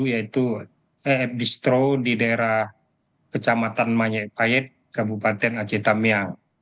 yaitu ef distro di daerah kecamatan manyai payet kabupaten aceh tamiang